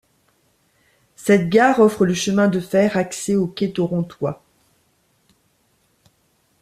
Cette gare offre le chemin de fer accès aux quais torontois.